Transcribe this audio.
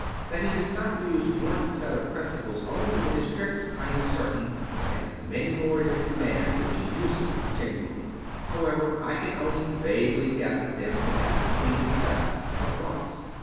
That he does not use one set of principles only in his tricks, I am certain, but has many more at his command which he uses continually. How ever, I can only vaguely guess at them from having seen his tests but once.